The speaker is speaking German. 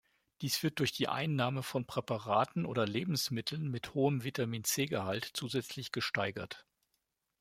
Dies wird durch die Einnahme von Präparaten oder Lebensmitteln mit hohem Vitamin-C-Gehalt zusätzlich gesteigert.